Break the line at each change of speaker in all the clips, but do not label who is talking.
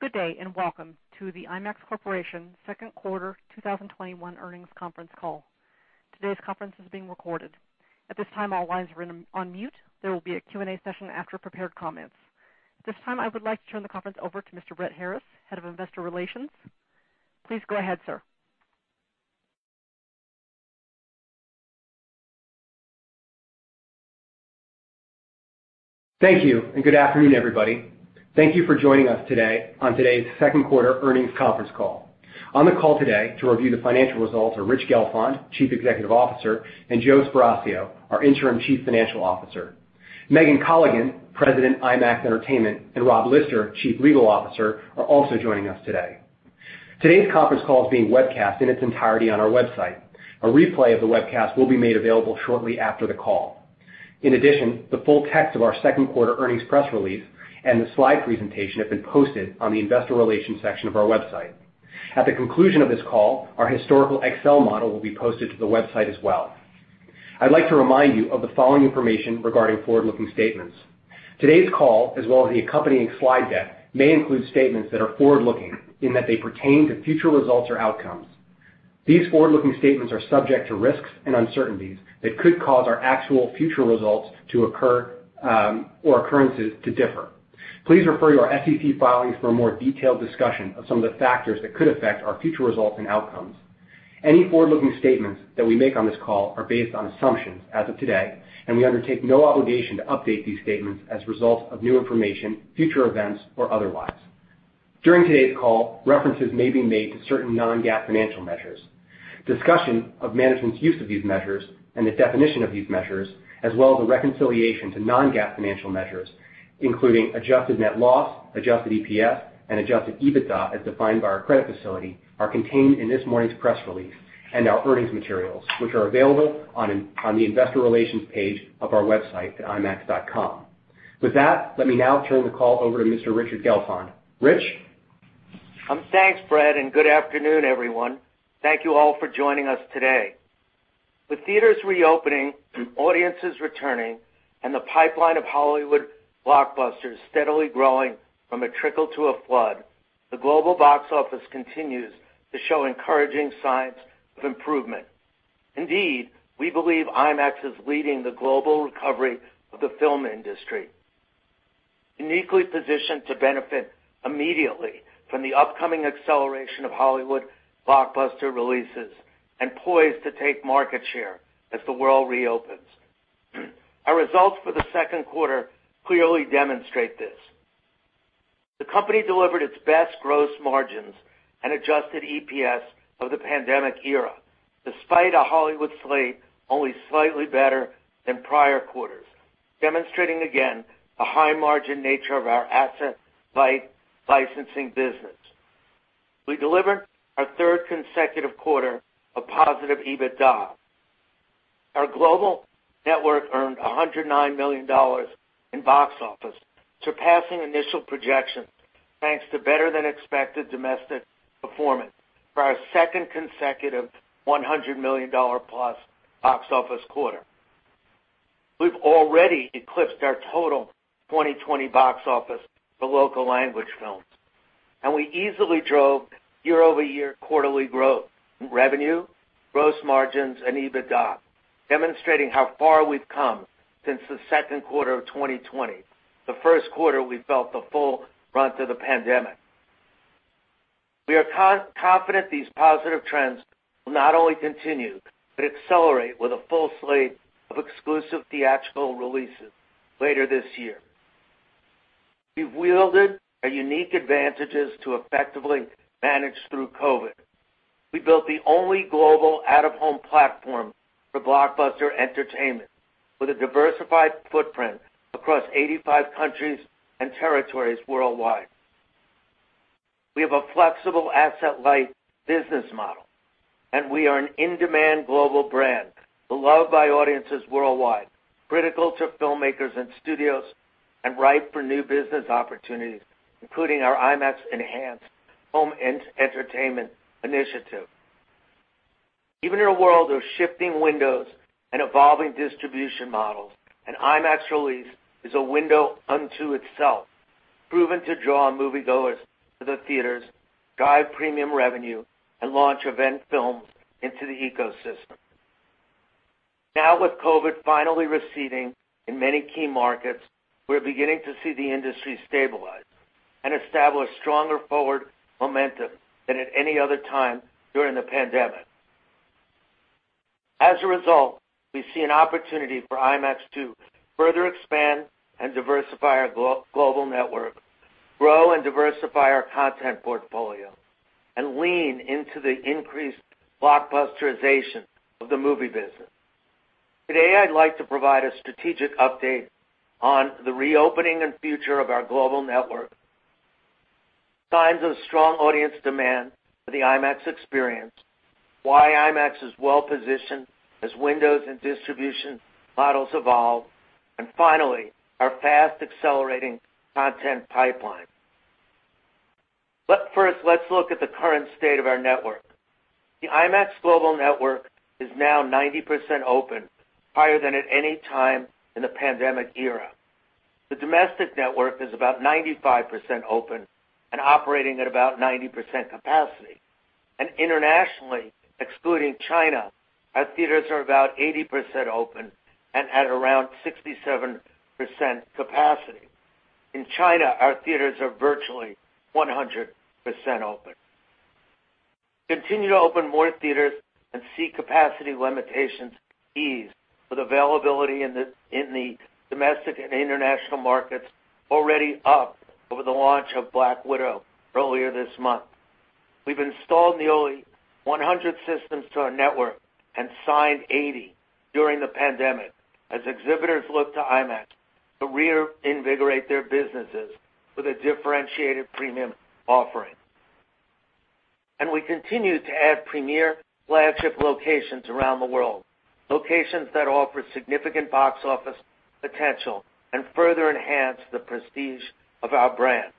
Good day, and welcome to the IMAX Corporation Second Quarter 2021 Earnings Conference call. Today's conference is being recorded. At this time, all lines are on mute. There will be a Q&A session after prepared comments. At this time, I would like to turn the conference over to Mr. Brett Harriss, Head of Investor Relations. Please go ahead, sir.
Thank you, and good afternoon, everybody. Thank you for joining us today on today's Second Quarter Earnings Conference call. On the call today, to review the financial results, are Rich Gelfond, Chief Executive Officer, and Joe Sparacio, our Interim Chief Financial Officer. Megan Colligan, President of IMAX Entertainment, and Rob Lister, Chief Legal Officer, are also joining us today. Today's conference call is being webcast in its entirety on our website. A replay of the webcast will be made available shortly after the call. In addition, the full text of our Second Quarter Earnings Press Release and the slide presentation have been posted on the Investor Relations section of our website. At the conclusion of this call, our historical Excel model will be posted to the website as well. I'd like to remind you of the following information regarding forward-looking statements. Today's call, as well as the accompanying slide deck, may include statements that are forward-looking in that they pertain to future results or outcomes. These forward-looking statements are subject to risks and uncertainties that could cause our actual future results to occur or occurrences to differ. Please refer to our SEC filings for a more detailed discussion of some of the factors that could affect our future results and outcomes. Any forward-looking statements that we make on this call are based on assumptions as of today, and we undertake no obligation to update these statements as a result of new information, future events, or otherwise. During today's call, references may be made to certain non-GAAP financial measures. Discussion of management's use of these measures and the definition of these measures, as well as a reconciliation to non-GAAP financial measures, including Adjusted Net Loss, Adjusted EPS, and Adjusted EBITDA as defined by our credit facility, are contained in this morning's press release and our earnings materials, which are available on the Investor Relations page of our website at IMAX.com. With that, let me now turn the call over to Mr. Richard Gelfond. Rich.
Thanks, Brett, and good afternoon, everyone. Thank you all for joining us today. With theaters reopening, audiences returning, and the pipeline of Hollywood blockbusters steadily growing from a trickle to a flood, the global box office continues to show encouraging signs of improvement. Indeed, we believe IMAX is leading the global recovery of the film industry, uniquely positioned to benefit immediately from the upcoming acceleration of Hollywood blockbuster releases and poised to take market share as the world reopens. Our results for the second quarter clearly demonstrate this. The company delivered its best gross margins and Adjusted EPS of the pandemic era, despite a Hollywood slate only slightly better than prior quarters, demonstrating again the high-margin nature of our asset-light licensing business. We delivered our third consecutive quarter of positive EBITDA. Our global network earned $109 million in box office, surpassing initial projections thanks to better-than-expected domestic performance for our second consecutive $100 million-plus box office quarter. We've already eclipsed our total 2020 box office for local language films, and we easily drove year-over-year quarterly growth in revenue, gross margins, and EBITDA, demonstrating how far we've come since the second quarter of 2020, the first quarter we felt the full brunt of the pandemic. We are confident these positive trends will not only continue but accelerate with a full slate of exclusive theatrical releases later this year. We've wielded our unique advantages to effectively manage through COVID. We built the only global out-of-home platform for blockbuster entertainment with a diversified footprint across 85 countries and territories worldwide. We have a flexible asset-light business model, and we are an in-demand global brand beloved by audiences worldwide, critical to filmmakers and studios, and ripe for new business opportunities, including our IMAX Enhanced Home Entertainment initiative. Even in a world of shifting windows and evolving distribution models, an IMAX release is a window unto itself, proven to draw moviegoers to the theaters, drive premium revenue, and launch event films into the ecosystem. Now, with COVID finally receding in many key markets, we're beginning to see the industry stabilize and establish stronger forward momentum than at any other time during the pandemic. As a result, we see an opportunity for IMAX to further expand and diversify our global network, grow and diversify our content portfolio, and lean into the increased blockbusterization of the movie business. Today, I'd like to provide a strategic update on the reopening and future of our global network, signs of strong audience demand for the IMAX experience, why IMAX is well-positioned as windows and distribution models evolve, and finally, our fast-accelerating content pipeline. But first, let's look at the current state of our network. The IMAX Global Network is now 90% open, higher than at any time in the pandemic era. The domestic network is about 95% open and operating at about 90% capacity. And internationally, excluding China, our theaters are about 80% open and at around 67% capacity. In China, our theaters are virtually 100% open. Continue to open more theaters and see capacity limitations ease with availability in the domestic and international markets already up over the launch of Black Widow earlier this month. We've installed nearly 100 systems to our network and signed 80 during the pandemic as exhibitors look to IMAX to reinvigorate their businesses with a differentiated premium offering. We continue to add premier flagship locations around the world, locations that offer significant box office potential and further enhance the prestige of our brand.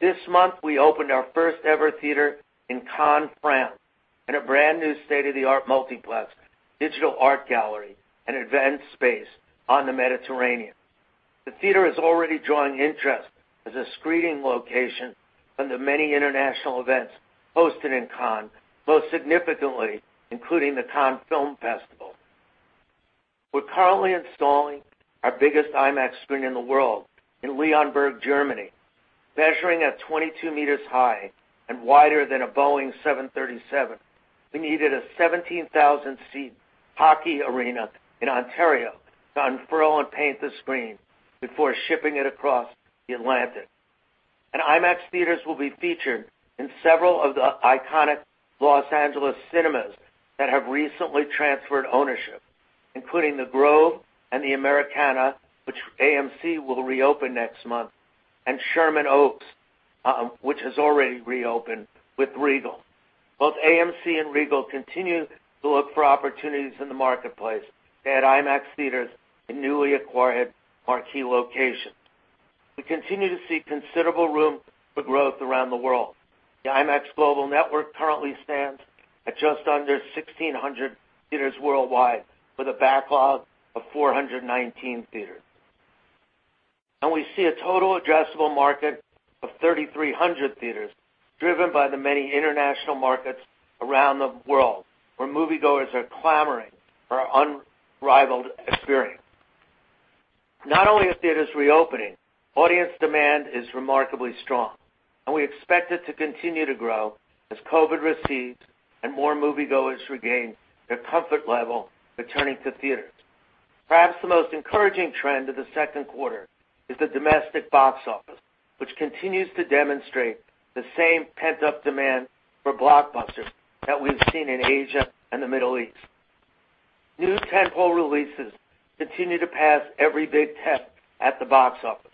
This month, we opened our first-ever theater in Cannes, France, and a brand-new state-of-the-art multiplex digital art gallery and event space on the Mediterranean. The theater is already drawing interest as a screening location from the many international events hosted in Cannes, most significantly including the Cannes Film Festival. We're currently installing our biggest IMAX screen in the world in Leonberg, Germany. Measuring at 22 meters high and wider than a Boeing 737, we needed a 17,000-seat hockey arena in Ontario to unfurl and paint the screen before shipping it across the Atlantic. IMAX theaters will be featured in several of the iconic Los Angeles cinemas that have recently transferred ownership, including The Grove and The Americana, which AMC will reopen next month, and Sherman Oaks, which has already reopened with Regal. Both AMC and Regal continue to look for opportunities in the marketplace at IMAX theaters in newly acquired marquee locations. We continue to see considerable room for growth around the world. The IMAX Global Network currently stands at just under 1,600 theaters worldwide with a backlog of 419 theaters. We see a total addressable market of 3,300 theaters driven by the many international markets around the world where moviegoers are clamoring for our unrivaled experience. Not only are theaters reopening, audience demand is remarkably strong, and we expect it to continue to grow as COVID recedes and more moviegoers regain their comfort level returning to theaters. Perhaps the most encouraging trend of the second quarter is the domestic box office, which continues to demonstrate the same pent-up demand for blockbusters that we've seen in Asia and the Middle East. New tentpole releases continue to pass every big test at the box office.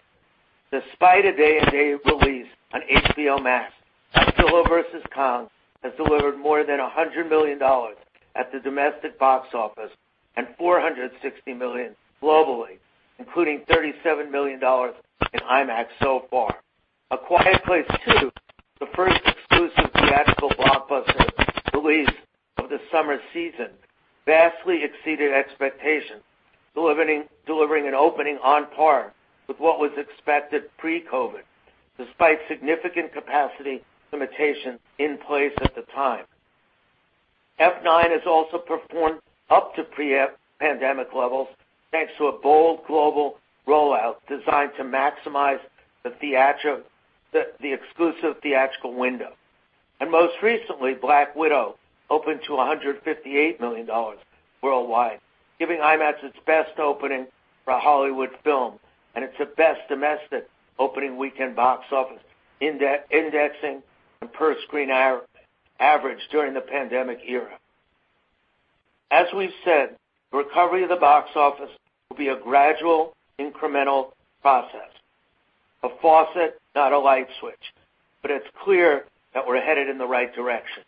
Despite a day-and-date release on HBO Max, Godzilla vs. Kong has delivered more than $100 million at the domestic box office and $460 million globally, including $37 million in IMAX so far. A Quiet Place Part II, the first exclusive theatrical blockbuster release of the summer season, vastly exceeded expectations, delivering an opening on par with what was expected pre-COVID, despite significant capacity limitations in place at the time. F9 has also performed up to pre-pandemic levels thanks to a bold global rollout designed to maximize the exclusive theatrical window. Most recently, Black Widow opened to $158 million worldwide, giving IMAX its best opening for a Hollywood film and its best domestic opening weekend box office indexing and per-screen hour average during the pandemic era. As we've said, the recovery of the box office will be a gradual, incremental process, a faucet, not a light switch, but it's clear that we're headed in the right direction.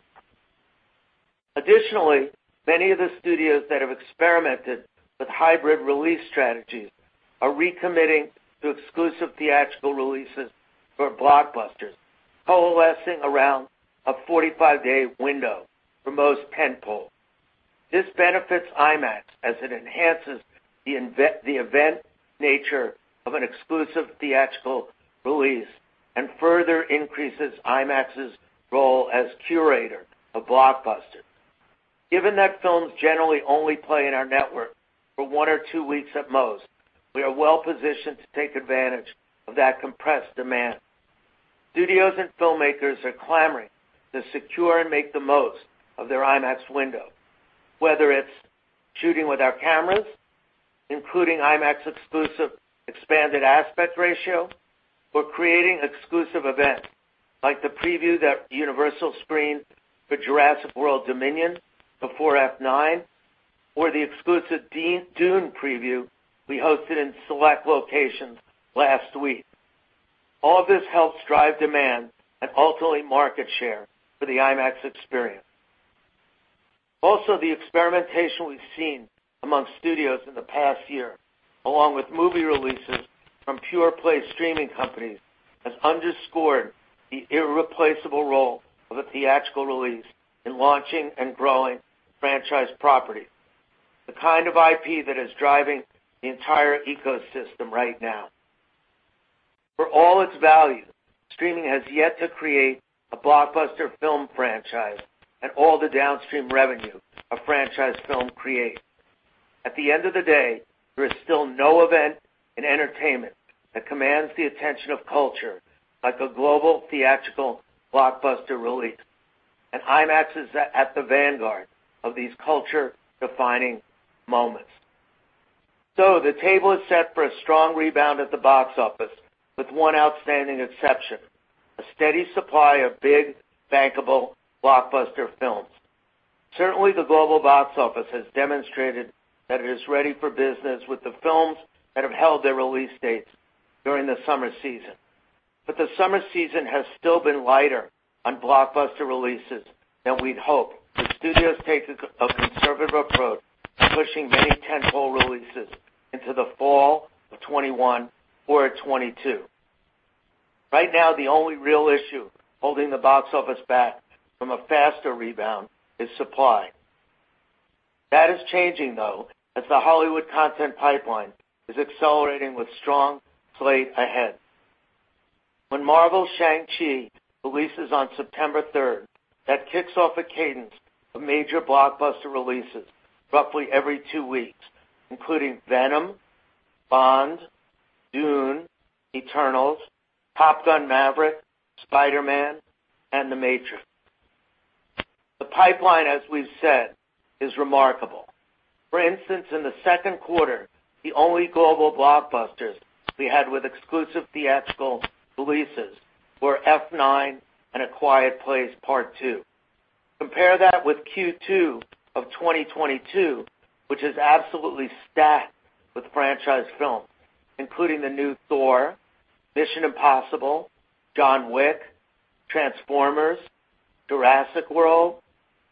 Additionally, many of the studios that have experimented with hybrid release strategies are recommitting to exclusive theatrical releases for blockbusters, coalescing around a 45-day window for most tentpoles. This benefits IMAX as it enhances the event nature of an exclusive theatrical release and further increases IMAX's role as curator of blockbusters. Given that films generally only play in our network for one or two weeks at most, we are well-positioned to take advantage of that compressed demand. Studios and filmmakers are clamoring to secure and make the most of their IMAX window, whether it's shooting with our cameras, including IMAX Exclusive Expanded Aspect Ratio, or creating exclusive events like the preview that Universal screened for Jurassic World: Dominion before F9, or the exclusive Dune preview we hosted in select locations last week. All of this helps drive demand and ultimately market share for the IMAX experience. Also, the experimentation we've seen among studios in the past year, along with movie releases from pure-play streaming companies, has underscored the irreplaceable role of a theatrical release in launching and growing franchise property, the kind of IP that is driving the entire ecosystem right now. For all its value, streaming has yet to create a blockbuster film franchise and all the downstream revenue a franchise film creates. At the end of the day, there is still no event in entertainment that commands the attention of culture like a global theatrical blockbuster release, and IMAX is at the vanguard of these culture-defining moments. So the table is set for a strong rebound at the box office with one outstanding exception: a steady supply of big, bankable blockbuster films. Certainly, the global box office has demonstrated that it is ready for business with the films that have held their release dates during the summer season. But the summer season has still been lighter on blockbuster releases than we'd hoped. The studios take a conservative approach to pushing many tentpole releases into the fall of 2021 or 2022. Right now, the only real issue holding the box office back from a faster rebound is supply. That is changing, though, as the Hollywood content pipeline is accelerating with strong slate ahead. When Marvel's Shang-Chi releases on September 3rd, that kicks off a cadence of major blockbuster releases roughly every two weeks, including Venom, Bond, Dune, Eternals, Top Gun: Maverick, Spider-Man, and The Matrix. The pipeline, as we've said, is remarkable. For instance, in the second quarter, the only global blockbusters we had with exclusive theatrical releases were F9 and A Quiet Place Part II. Compare that with Q2 of 2022, which is absolutely stacked with franchise films, including The New Thor, Mission: Impossible, John Wick, Transformers, Jurassic World,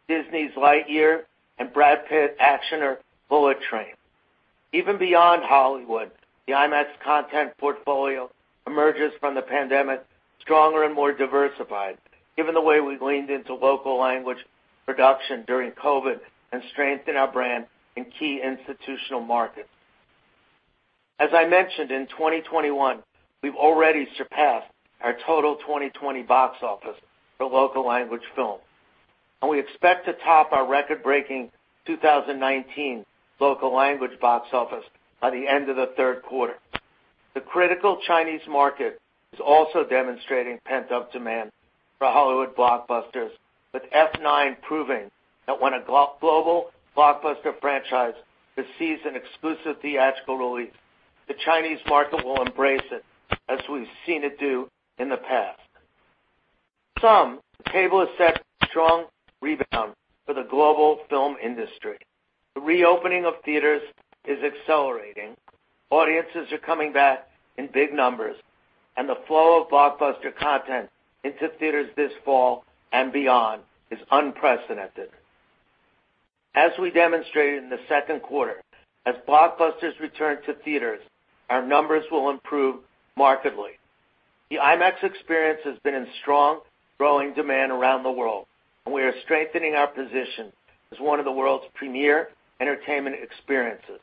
Disney's Lightyear, and Brad Pitt's actioner Bullet Train. Even beyond Hollywood, the IMAX content portfolio emerges from the pandemic stronger and more diversified, given the way we leaned into local language production during COVID and strengthened our brand in key institutional markets. As I mentioned, in 2021, we've already surpassed our total 2020 box office for local language films, and we expect to top our record-breaking 2019 local language box office by the end of the third quarter. The critical Chinese market is also demonstrating pent-up demand for Hollywood blockbusters, with F9 proving that when a global blockbuster franchise receives an exclusive theatrical release, the Chinese market will embrace it as we've seen it do in the past. So the table is set for a strong rebound for the global film industry. The reopening of theaters is accelerating. Audiences are coming back in big numbers, and the flow of blockbuster content into theaters this fall and beyond is unprecedented. As we demonstrated in the second quarter, as blockbusters return to theaters, our numbers will improve markedly. The IMAX Experience has been in strong, growing demand around the world, and we are strengthening our position as one of the world's premier entertainment experiences.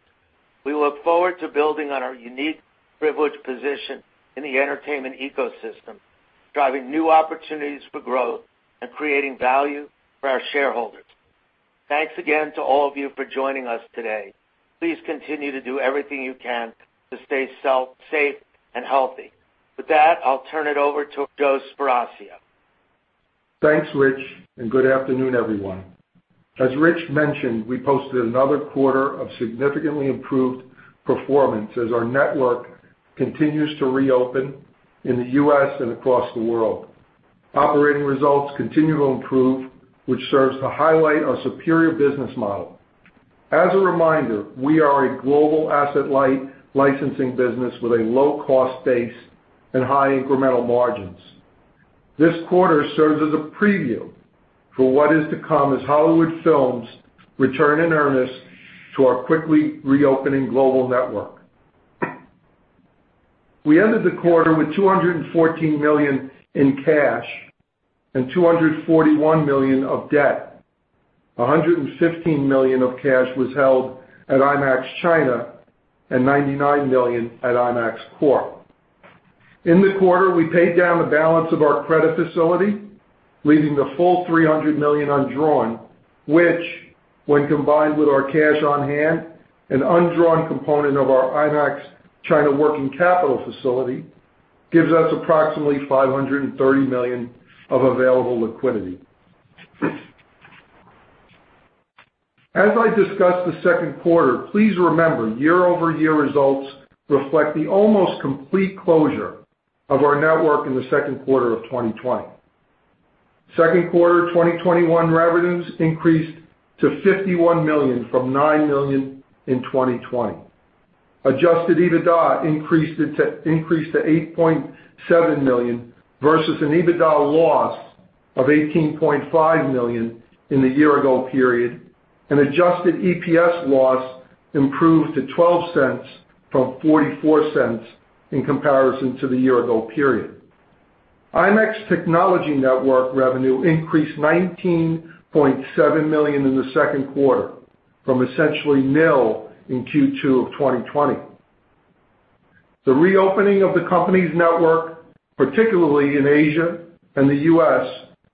We look forward to building on our unique privileged position in the entertainment ecosystem, driving new opportunities for growth and creating value for our shareholders. Thanks again to all of you for joining us today. Please continue to do everything you can to stay safe and healthy. With that, I'll turn it over to Joe Sparacio.
Thanks, Rich, and good afternoon, everyone. As Rich mentioned, we posted another quarter of significantly improved performance as our network continues to reopen in the U.S. and across the world. Operating results continue to improve, which serves to highlight our superior business model. As a reminder, we are a global asset-light licensing business with a low-cost base and high incremental margins. This quarter serves as a preview for what is to come as Hollywood films return in earnest to our quickly reopening global network. We ended the quarter with $214 million in cash and $241 million of debt. $115 million of cash was held at IMAX China and $99 million at IMAX Corp. In the quarter, we paid down the balance of our credit facility, leaving the full $300 million undrawn, which, when combined with our cash on hand and undrawn component of our IMAX China Working Capital Facility, gives us approximately $530 million of available liquidity. As I discussed the second quarter, please remember year-over-year results reflect the almost complete closure of our network in the second quarter of 2020. Second quarter 2021 revenues increased to $51 million from $9 million in 2020. Adjusted EBITDA increased to $8.7 million versus an EBITDA loss of $18.5 million in the year-ago period, and Adjusted EPS loss improved to $0.12 from $0.44 in comparison to the year-ago period. IMAX Technology Network revenue increased $19.7 million in the second quarter from essentially nil in Q2 of 2020. The reopening of the company's network, particularly in Asia and the U.S.,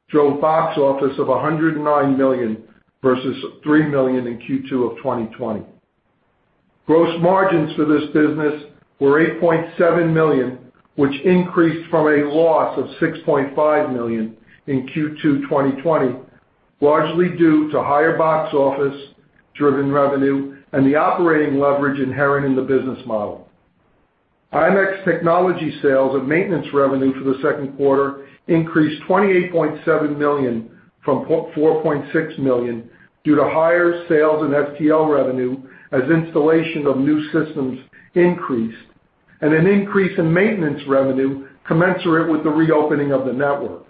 drove box office of $109 million versus $3 million in Q2 of 2020. Gross margins for this business were $8.7 million, which increased from a loss of $6.5 million in Q2 2020, largely due to higher box office-driven revenue and the operating leverage inherent in the business model. IMAX Technology Sales and Maintenance revenue for the second quarter increased $28.7 million from $4.6 million due to higher sales and STL revenue as installation of new systems increased and an increase in maintenance revenue commensurate with the reopening of the network.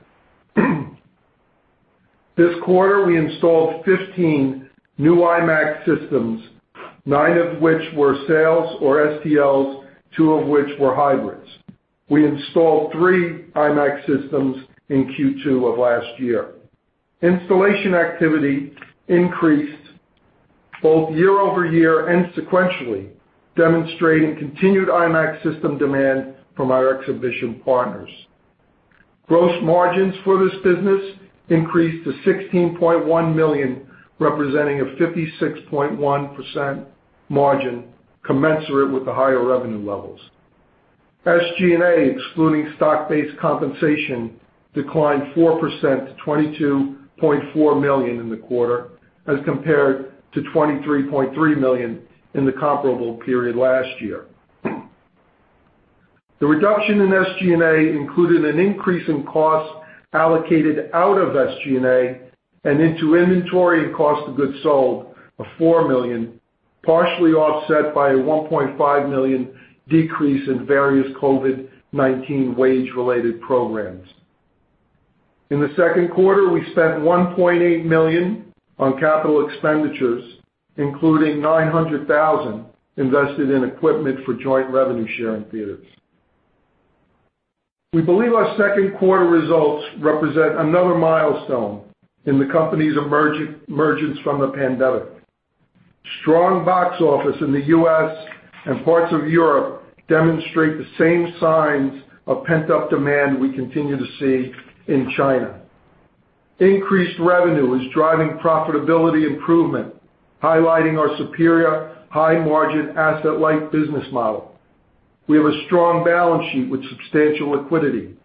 This quarter, we installed 15 new IMAX systems, nine of which were sales or STLs, two of which were hybrids. We installed three IMAX systems in Q2 of last year. Installation activity increased both year-over-year and sequentially, demonstrating continued IMAX system demand from our exhibition partners. Gross margins for this business increased to $16.1 million, representing a 56.1% margin commensurate with the higher revenue levels. SG&A, excluding stock-based compensation, declined 4% to $22.4 million in the quarter as compared to $23.3 million in the comparable period last year. The reduction in SG&A included an increase in costs allocated out of SG&A and into inventory and cost of goods sold of $4 million, partially offset by a $1.5 million decrease in various COVID-19 wage-related programs. In the second quarter, we spent $1.8 million on capital expenditures, including $900,000 invested in equipment for joint revenue-sharing theaters. We believe our second quarter results represent another milestone in the company's emergence from the pandemic. Strong box office in the U.S. and parts of Europe demonstrate the same signs of pent-up demand we continue to see in China. Increased revenue is driving profitability improvement, highlighting our superior high-margin asset-light business model. We have a strong balance sheet with substantial liquidity.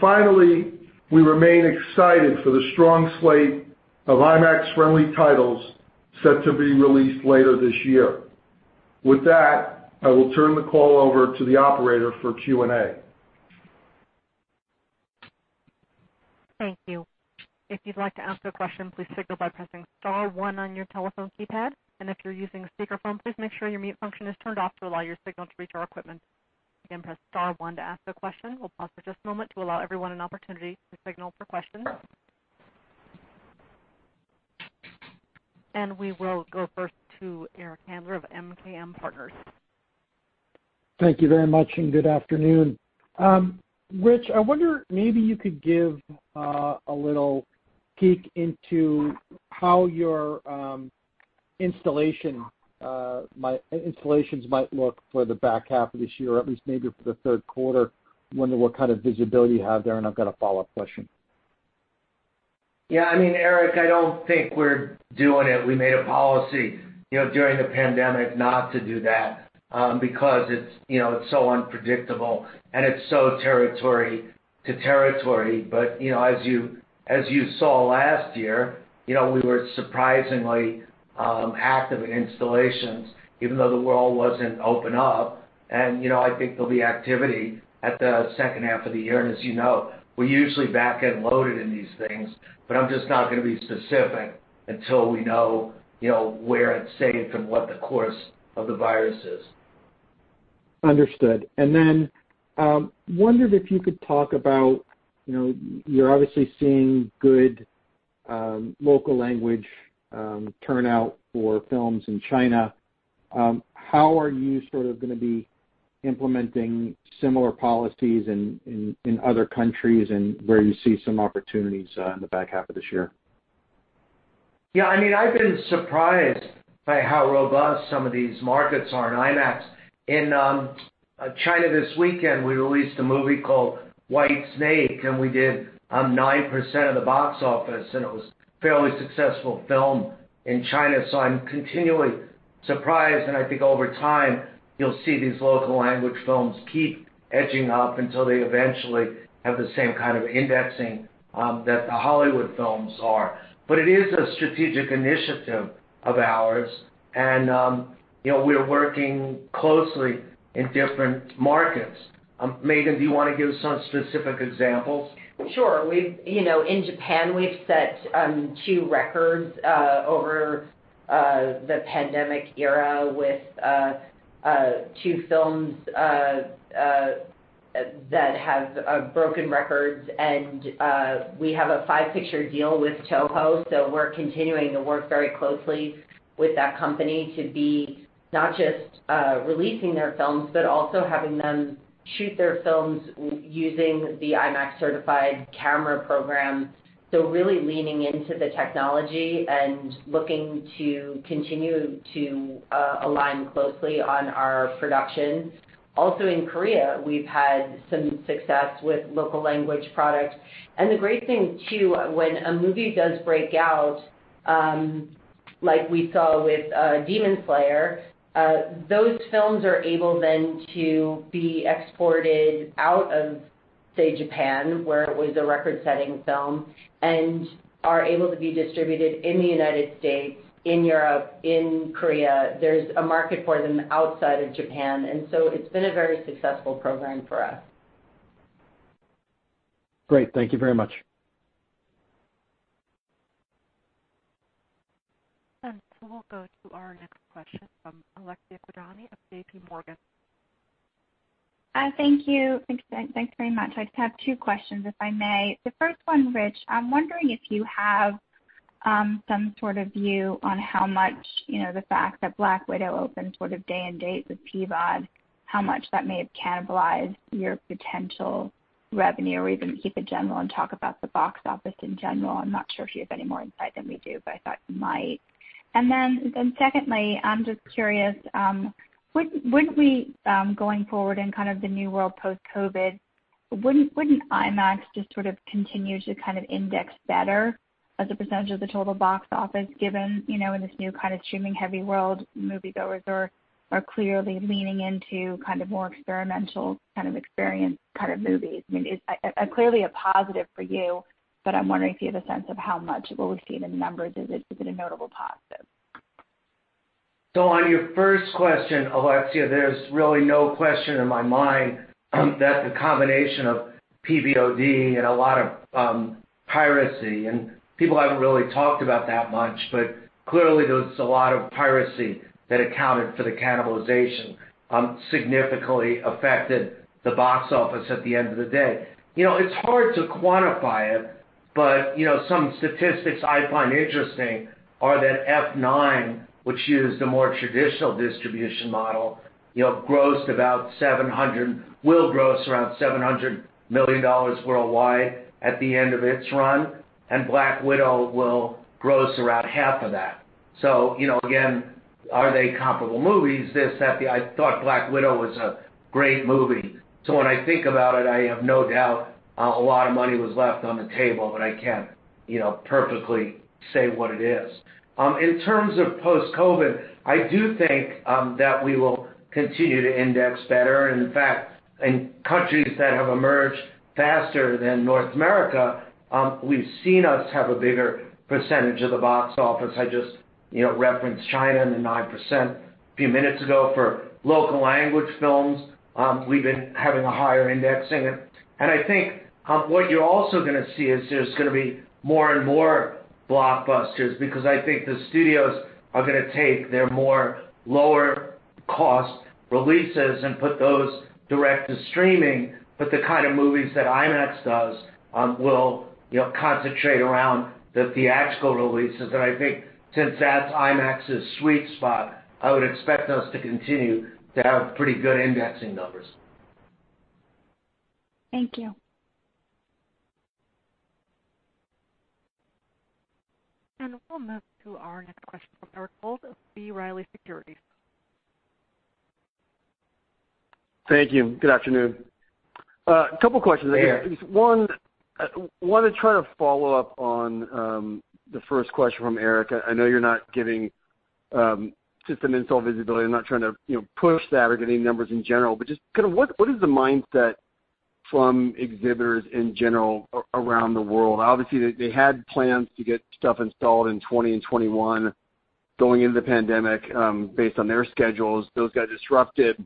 Finally, we remain excited for the strong slate of IMAX-friendly titles set to be released later this year. With that, I will turn the call over to the operator for Q&A.
Thank you. If you'd like to ask a question, please signal by pressing star one on your telephone keypad, and if you're using a speakerphone, please make sure your mute function is turned off to allow your signal to reach our equipment. Again, press star one to ask a question. We'll pause for just a moment to allow everyone an opportunity to signal for questions, and we will go first to Eric Handler of MKM Partners.
Thank you very much and good afternoon. Rich, I wonder maybe you could give a little peek into how your installations might look for the back half of this year, or at least maybe for the third quarter, wondering what kind of visibility you have there? And I've got a follow-up question.
Yeah. I mean, Eric, I don't think we're doing it. We made a policy during the pandemic not to do that because it's so unpredictable and it's so territory to territory. But as you saw last year, we were surprisingly active in installations, even though the world wasn't open up. And I think there'll be activity at the second half of the year. And as you know, we're usually back-loaded in these things, but I'm just not going to be specific until we know where it's safe and what the course of the virus is.
Understood. And then wondered if you could talk about you're obviously seeing good local language turnout for films in China. How are you sort of going to be implementing similar policies in other countries and where you see some opportunities in the back half of this year?
Yeah. I mean, I've been surprised by how robust some of these markets are in IMAX. In China this weekend, we released a movie called White Snake, and we did 9% of the box office, and it was a fairly successful film in China. So I'm continually surprised. And I think over time, you'll see these local language films keep edging up until they eventually have the same kind of indexing that the Hollywood films are. But it is a strategic initiative of ours, and we're working closely in different markets. Megan, do you want to give some specific examples?
Sure. In Japan, we've set two records over the pandemic era with two films that have broken records. We have a five-picture deal with Toho, so we're continuing to work very closely with that company to be not just releasing their films, but also having them shoot their films using the IMAX-certified camera program. So really leaning into the technology and looking to continue to align closely on our production. Also in Korea, we've had some success with local language products. The great thing too, when a movie does break out, like we saw with Demon Slayer, those films are able then to be exported out of, say, Japan, where it was a record-setting film, and are able to be distributed in the United States, in Europe, in Korea. There's a market for them outside of Japan. So it's been a very successful program for us.
Great. Thank you very much.
We'll go to our next question from Alexia Quadrani of JPMorgan.
Hi. Thank you. Thanks very much. I just have two questions, if I may. The first one, Rich, I'm wondering if you have some sort of view on how much the fact that Black Widow opened sort of day and date with PVOD, how much that may have cannibalized your potential revenue or even keep it general and talk about the box office in general? I'm not sure if you have any more insight than we do, but I thought you might. And then secondly, I'm just curious, wouldn't we, going forward in kind of the new world post-COVID, wouldn't IMAX just sort of continue to kind of index better as a percentage of the total box office, given in this new kind of streaming-heavy world, moviegoers are clearly leaning into kind of more experimental kind of experience kind of movies? I mean, clearly a positive for you, but I'm wondering if you have a sense of how much what we've seen in numbers is it a notable positive?
So on your first question, Alexia, there's really no question in my mind that the combination of PVOD and a lot of piracy and people haven't really talked about that much, but clearly there was a lot of piracy that accounted for the cannibalization significantly affected the box office at the end of the day. It's hard to quantify it, but some statistics I find interesting are that F9, which used a more traditional distribution model, grossed about $700 million, will gross around $700 million worldwide at the end of its run, and Black Widow will gross around $350 million. So again, are they comparable movies? I thought Black Widow was a great movie. So when I think about it, I have no doubt a lot of money was left on the table, but I can't perfectly say what it is. In terms of post-COVID, I do think that we will continue to index better. And in fact, in countries that have emerged faster than North America, we've seen us have a bigger percentage of the box office. I just referenced China and the 9% a few minutes ago for local language films. We've been having a higher indexing. And I think what you're also going to see is there's going to be more and more blockbusters because I think the studios are going to take their more lower-cost releases and put those direct to streaming, but the kind of movies that IMAX does will concentrate around the theatrical releases. And I think since that's IMAX's sweet spot, I would expect us to continue to have pretty good indexing numbers.
Thank you.
And we'll move to our next question from Eric Wold of B. Riley Securities.
Thank you. Good afternoon. A couple of questions. One, I want to try to follow up on the first question from Eric. I know you're not giving system install visibility. I'm not trying to push the aggregating numbers in general, but just kind of what is the mindset from exhibitors in general around the world? Obviously, they had plans to get stuff installed in 2020 and 2021 going into the pandemic based on their schedules. Those got disrupted,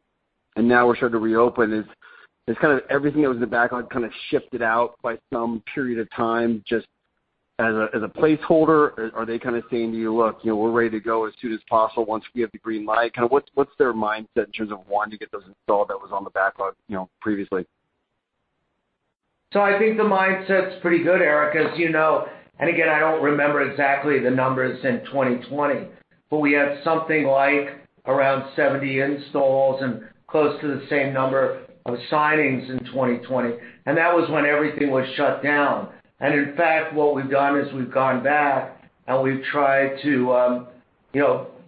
and now we're starting to reopen. Is kind of everything that was in the backlog kind of shifted out by some period of time just as a placeholder? Are they kind of saying to you, "Look, we're ready to go as soon as possible once we have the green light"? Kind of what's their mindset in terms of wanting to get those installed that was on the backlog previously?
So I think the mindset's pretty good, Eric, as you know. And again, I don't remember exactly the numbers in 2020, but we had something like around 70 installs and close to the same number of signings in 2020. And that was when everything was shut down. And in fact, what we've done is we've gone back and we've tried to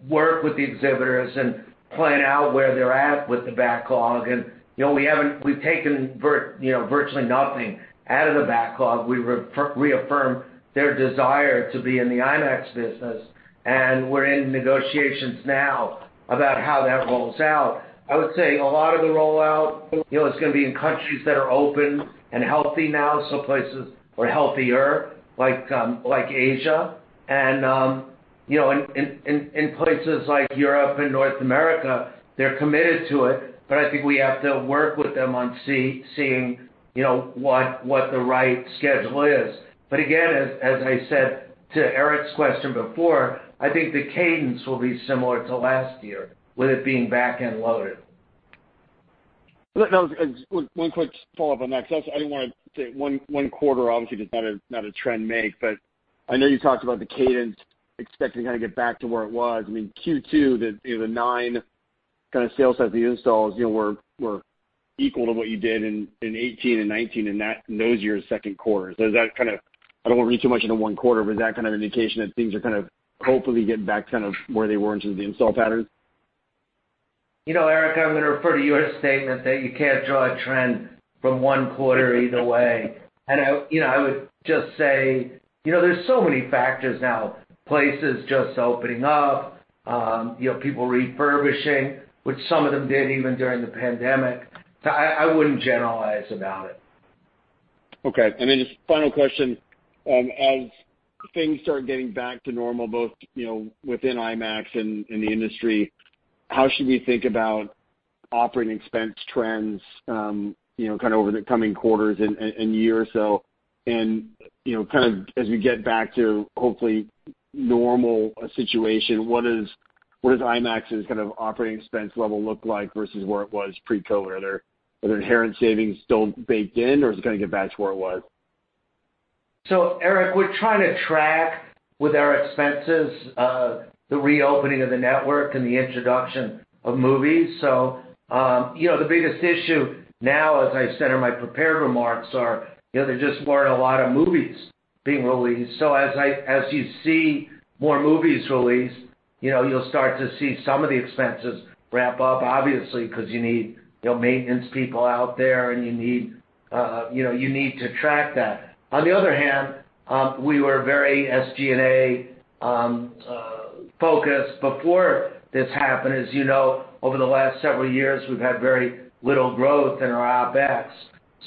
work with the exhibitors and plan out where they're at with the backlog. And we've taken virtually nothing out of the backlog. We reaffirmed their desire to be in the IMAX business, and we're in negotiations now about how that rolls out. I would say a lot of the rollout is going to be in countries that are open and healthy now, so places or healthier like Asia. And in places like Europe and North America, they're committed to it, but I think we have to work with them on seeing what the right schedule is. But again, as I said to Eric's question before, I think the cadence will be similar to last year with it being back and loaded.
One quick follow-up on that. I didn't want to say one quarter, obviously, does not make a trend, but I know you talked about the cadence expecting to kind of get back to where it was. I mean, Q2, the nine system sales of the installs were equal to what you did in 2018 and 2019 in those years' second quarter. So is that kind of—I don't want to read too much into one quarter, but is that kind of an indication that things are kind of hopefully getting back kind of where they were in terms of the install patterns?
Eric, I'm going to refer to your statement that you can't draw a trend from one quarter either way, and I would just say there's so many factors now. Places just opening up, people refurbishing, which some of them did even during the pandemic, so I wouldn't generalize about it.
Okay. And then just final question. As things start getting back to normal, both within IMAX and in the industry, how should we think about operating expense trends kind of over the coming quarters and year or so? And kind of as we get back to hopefully normal situation, what does IMAX's kind of operating expense level look like versus where it was pre-COVID? Are there inherent savings still baked in, or is it going to get back to where it was?
So Eric, we're trying to track with our expenses the reopening of the network and the introduction of movies. So the biggest issue now, as I said in my prepared remarks, is there just weren't a lot of movies being released. So as you see more movies released, you'll start to see some of the expenses ramp up, obviously, because you need maintenance people out there and you need to track that. On the other hand, we were very SG&A focused before this happened. As you know, over the last several years, we've had very little growth in our OPEX.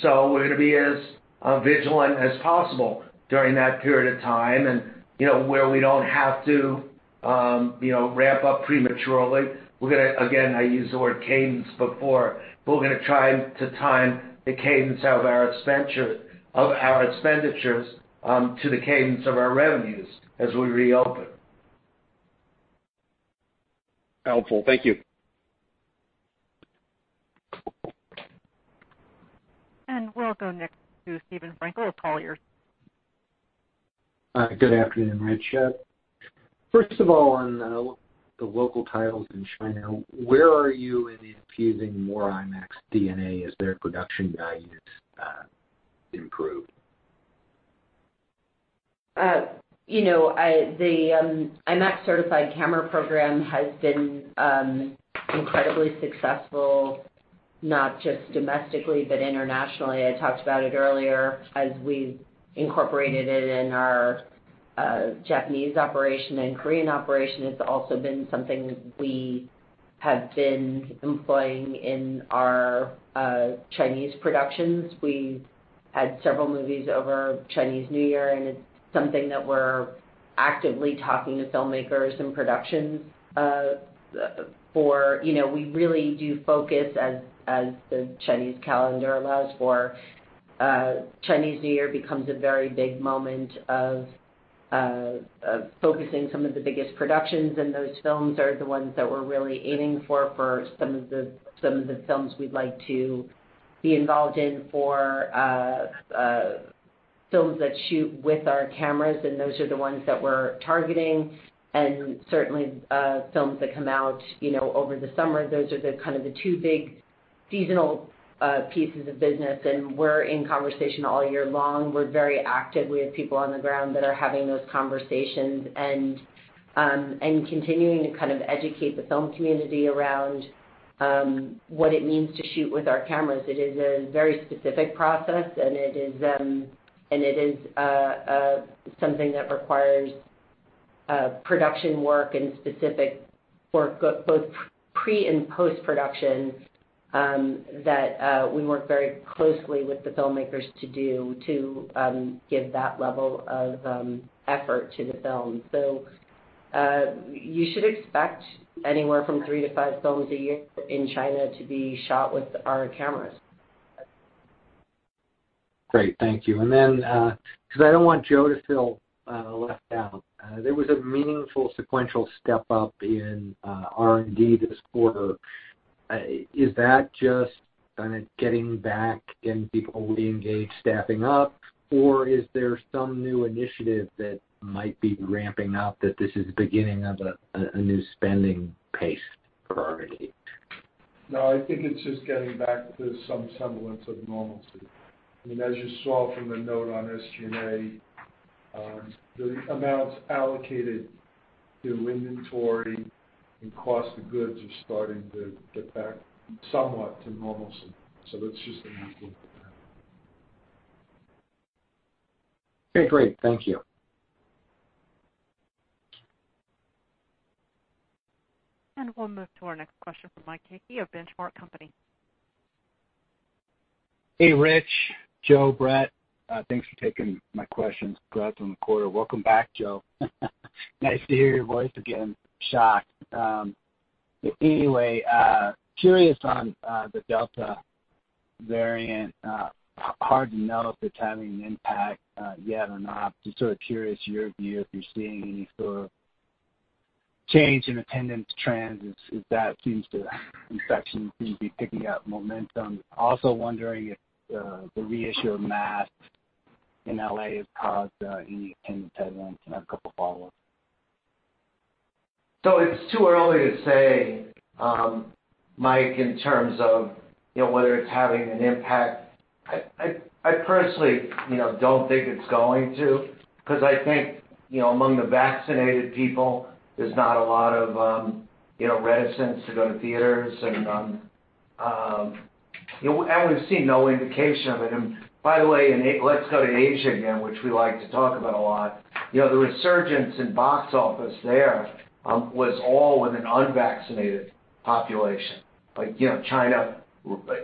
So we're going to be as vigilant as possible during that period of time and where we don't have to ramp up prematurely. We're going to, again, I used the word cadence before, but we're going to try to time the cadence of our expenditures to the cadence of our revenues as we reopen.
Helpful. Thank you.
We'll go next to Steven Frankel with Colliers.
Good afternoon, Richard. First of all, on the local titles in China, where are you in infusing more IMAX DNA as their production values improve?
The IMAX-certified camera program has been incredibly successful, not just domestically, but internationally. I talked about it earlier as we've incorporated it in our Japanese operation and Korean operation. It's also been something we have been employing in our Chinese productions. We had several movies over Chinese New Year, and it's something that we're actively talking to filmmakers and productions for. We really do focus as the Chinese calendar allows for. Chinese New Year becomes a very big moment of focusing some of the biggest productions, and those films are the ones that we're really aiming for for some of the films we'd like to be involved in for films that shoot with our cameras, and those are the ones that we're targeting. And certainly, films that come out over the summer, those are kind of the two big seasonal pieces of business. And we're in conversation all year long. We're very active. We have people on the ground that are having those conversations and continuing to kind of educate the film community around what it means to shoot with our cameras. It is a very specific process, and it is something that requires production work and specific work, both pre and post-production, that we work very closely with the filmmakers to do to give that level of effort to the film. So you should expect anywhere from three to five films a year in China to be shot with our cameras.
Great. Thank you. And then because I don't want Joe to feel left out, there was a meaningful sequential step up in R&D this quarter. Is that just kind of getting back, getting people re-engaged, staffing up, or is there some new initiative that might be ramping up that this is the beginning of a new spending pace for R&D?
No, I think it's just getting back to some semblance of normalcy. I mean, as you saw from the note on SG&A, the amounts allocated to inventory and cost of goods are starting to get back somewhat to normalcy. So that's just a new thing that happened.
Okay. Great. Thank you.
We'll move to our next question from Mike Hickey of Benchmark Company.
Hey, Rich, Joe, Brett, thanks for taking my questions. Glad it's on the quarter. Welcome back, Joe. Nice to hear your voice again. Shocked. Anyway, curious on the Delta variant. Hard to know if it's having an impact yet or not. Just sort of curious your view if you're seeing any sort of change in attendance trends as the infection seems to be picking up momentum. Also wondering if the reissue of masks in LA has caused any attendance headwinds and a couple of follow-ups.
So it's too early to say, Mike, in terms of whether it's having an impact. I personally don't think it's going to because I think among the vaccinated people, there's not a lot of reticence to go to theaters. And we've seen no indication of it. And by the way, let's go to Asia again, which we like to talk about a lot. The resurgence in box office there was all with an unvaccinated population. China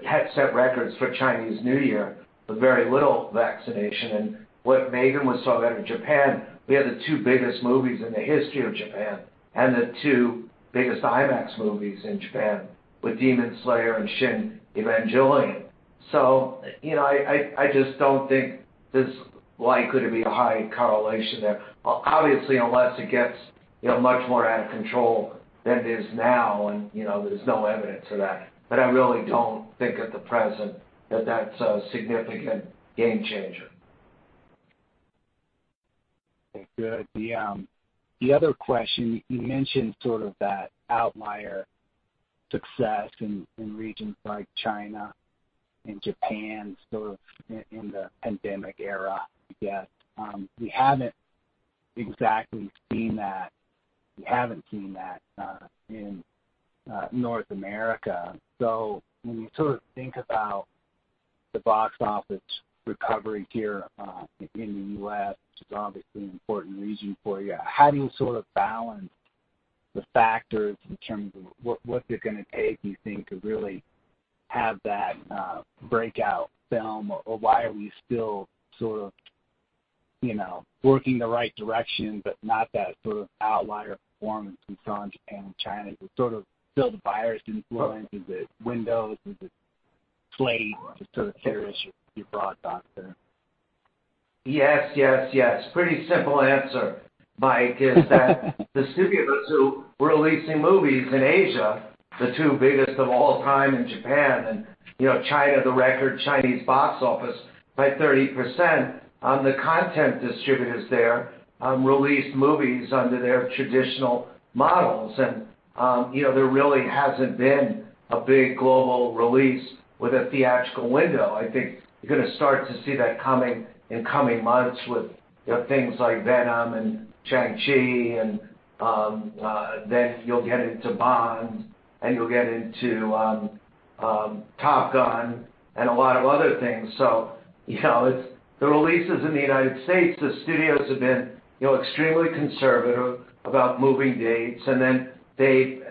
had set records for Chinese New Year with very little vaccination. And what Megan was talking about in Japan, we have the two biggest movies in the history of Japan and the two biggest IMAX movies in Japan with Demon Slayer and Shin Evangelion. So I just don't think there's likely to be a high correlation there. Obviously, unless it gets much more out of control than it is now, and there's no evidence of that. But I really don't think at the present that that's a significant game changer.
Thank you. The other question, you mentioned sort of that outlier success in regions like China and Japan sort of in the pandemic era. We haven't exactly seen that. We haven't seen that in North America. So when you sort of think about the box office recovery here in the U.S., which is obviously an important reason for you, how do you sort of balance the factors in terms of what's it going to take, you think, to really have that breakout film? Or why are we still sort of working the right direction, but not that sort of outlier performance we saw in Japan and China? Is it sort of still the virus influence? Is it windows? Is it slate? Just sort of curious your thoughts on that.
Yes, yes, yes. Pretty simple answer, Mike, is that distributors who were releasing movies in Asia, the two biggest of all time in Japan, and China the record Chinese box office by 30%, the content distributors there released movies under their traditional models. And there really hasn't been a big global release with a theatrical window. I think you're going to start to see that coming in the coming months with things like Venom and Shang-Chi, and then you'll get into Bond, and you'll get into Top Gun and a lot of other things. The releases in the United States, the studios have been extremely conservative about moving dates. Then they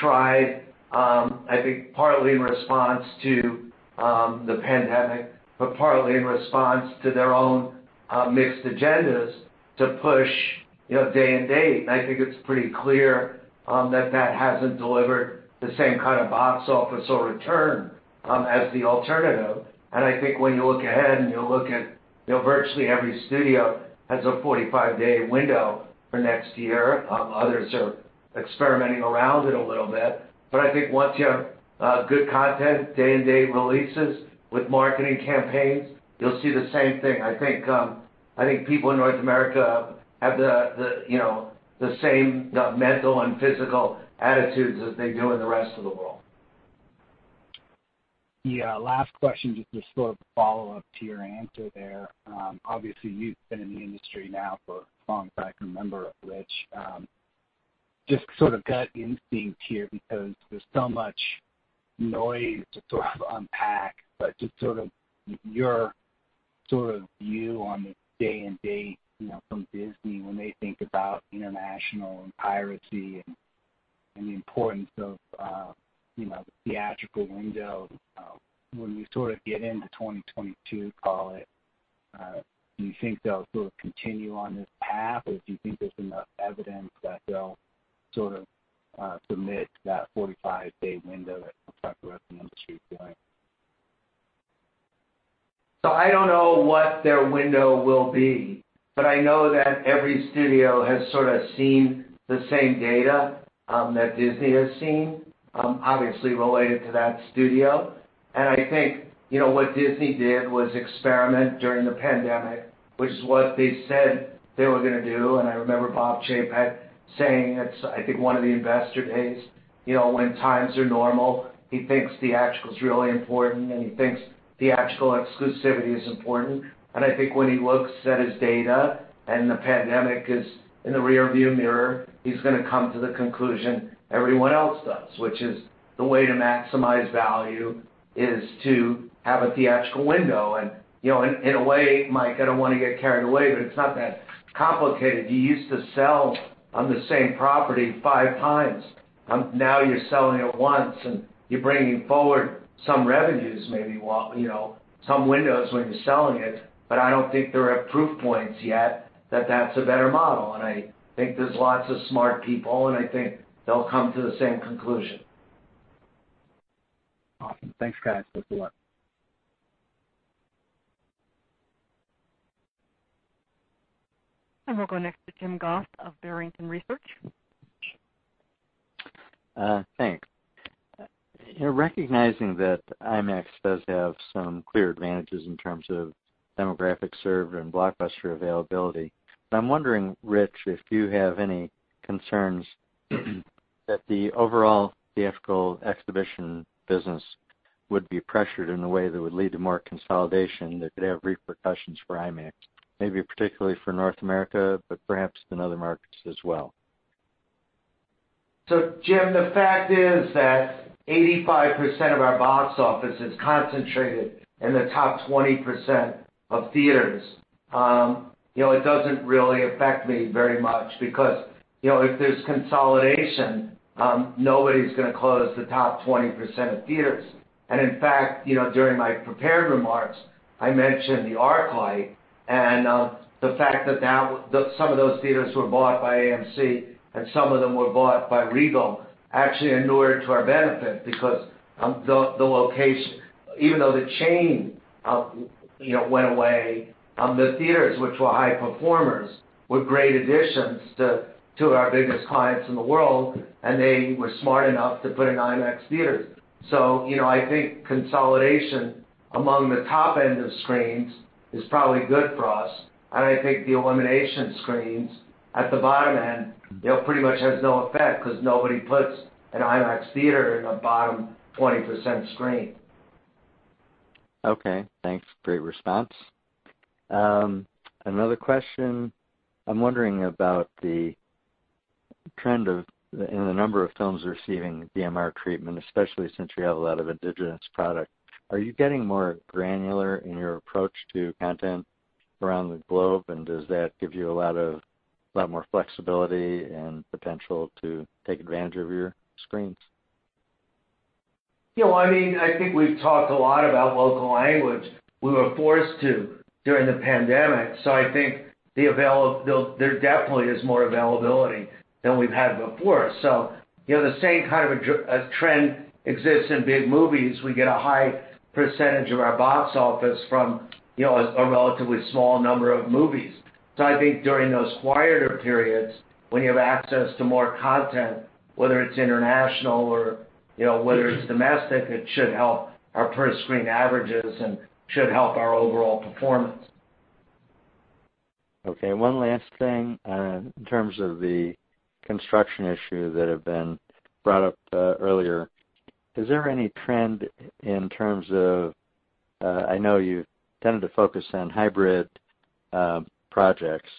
tried, I think partly in response to the pandemic, but partly in response to their own mixed agendas to push day and date. I think it's pretty clear that that hasn't delivered the same kind of box office or return as the alternative. I think when you look ahead and you look at virtually every studio has a 45-day window for next year. Others are experimenting around it a little bit. I think once you have good content, day and day releases with marketing campaigns, you'll see the same thing. I think people in North America have the same mental and physical attitudes as they do in the rest of the world.
Yeah. Last question, just to sort of follow up to your answer there. Obviously, you've been in the industry now for a long time. I can remember, Rich, just sort of gut instincts here because there's so much noise to sort of unpack. But just sort of your sort of view on the day and day from Disney when they think about international piracy and the importance of the theatrical window. When we sort of get into 2022, call it, do you think they'll sort of continue on this path, or do you think there's enough evidence that they'll sort of submit that 45-day window at the behest of the industry point?
So I don't know what their window will be, but I know that every studio has sort of seen the same data that Disney has seen, obviously related to that studio. And I think what Disney did was experiment during the pandemic, which is what they said they were going to do. And I remember Bob Chapek saying, I think one of the investor days, when times are normal, he thinks theatrical is really important, and he thinks theatrical exclusivity is important. And I think when he looks at his data and the pandemic is in the rearview mirror, he's going to come to the conclusion everyone else does, which is the way to maximize value is to have a theatrical window. And in a way, Mike, I don't want to get carried away, but it's not that complicated. You used to sell on the same property five times. Now you're selling it once, and you're bringing forward some revenues, maybe some windows when you're selling it. But I don't think there are proof points yet that that's a better model. And I think there's lots of smart people, and I think they'll come to the same conclusion.
Awesome. Thanks, guys. Thanks a lot.
We'll go next to Jim Goss of Barrington Research.
Thanks. Recognizing that IMAX does have some clear advantages in terms of demographic service and blockbuster availability, but I'm wondering, Rich, if you have any concerns that the overall theatrical exhibition business would be pressured in a way that would lead to more consolidation that could have repercussions for IMAX, maybe particularly for North America, but perhaps in other markets as well.
So Jim, the fact is that 85% of our box office is concentrated in the top 20% of theaters. It doesn't really affect me very much because if there's consolidation, nobody's going to close the top 20% of theaters. And in fact, during my prepared remarks, I mentioned the ArcLight and the fact that some of those theaters were bought by AMC and some of them were bought by Regal, actually in order to our benefit because the location, even though the chain went away, the theaters, which were high performers, were great additions to our biggest clients in the world, and they were smart enough to put in IMAX theaters. So I think consolidation among the top end of screens is probably good for us. I think the elimination screens at the bottom end pretty much has no effect because nobody puts an IMAX theater in the bottom 20% screen.
Okay. Thanks. Great response. Another question. I'm wondering about the trend of the number of films receiving DMR treatment, especially since you have a lot of indigenous products. Are you getting more granular in your approach to content around the globe, and does that give you a lot more flexibility and potential to take advantage of your screens?
I mean, I think we've talked a lot about local language. We were forced to during the pandemic. So I think there definitely is more availability than we've had before. So the same kind of trend exists in big movies. We get a high percentage of our box office from a relatively small number of movies. So I think during those quieter periods, when you have access to more content, whether it's international or whether it's domestic, it should help our per-screen averages and should help our overall performance.
Okay. One last thing in terms of the construction issue that had been brought up earlier. Is there any trend in terms of, I know you tended to focus on hybrid projects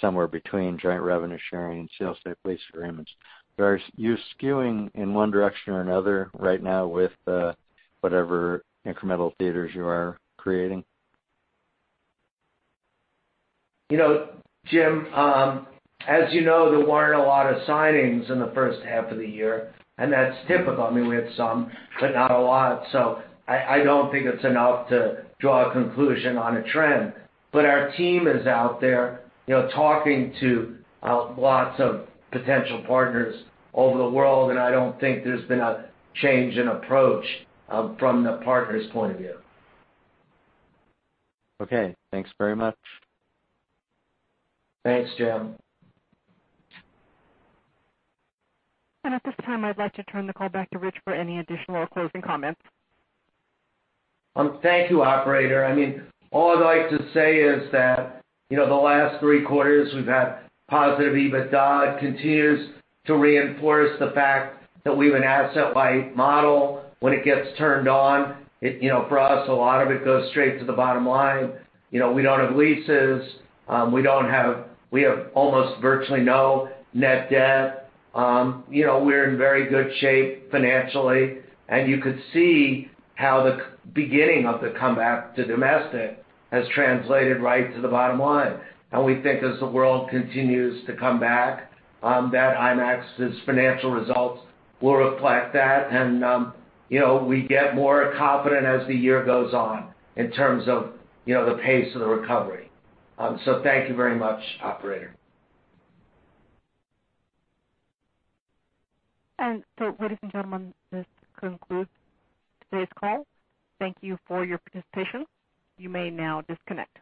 somewhere between joint revenue sharing and sales-type lease agreements. Are you skewing in one direction or another right now with whatever incremental theaters you are creating?
Jim, as you know, there weren't a lot of signings in the first half of the year, and that's typical. I mean, we had some, but not a lot. So I don't think it's enough to draw a conclusion on a trend. But our team is out there talking to lots of potential partners over the world, and I don't think there's been a change in approach from the partners' point of view.
Okay. Thanks very much.
Thanks, Jim.
At this time, I'd like to turn the call back to Rich for any additional closing comments.
Thank you, operator. I mean, all I'd like to say is that the last three quarters, we've had positive EBITDA. It continues to reinforce the fact that we have an asset-light model. When it gets turned on, for us, a lot of it goes straight to the bottom line. We don't have leases. We have almost virtually no net debt. We're in very good shape financially. And you could see how the beginning of the comeback to domestic has translated right to the bottom line. And we think as the world continues to come back, that IMAX's financial results will reflect that. And we get more confident as the year goes on in terms of the pace of the recovery. So thank you very much, operator.
Ladies and gentlemen, this concludes today's call. Thank you for your participation. You may now disconnect.